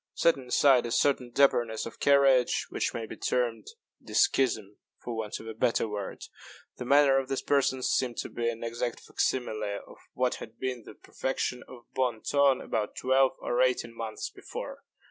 Setting aside a certain dapperness of carriage, which may be termed deskism for want of a better word, the manner of these persons seemed to me an exact fac simile of what had been the perfection of bon ton about twelve or eighteen months before.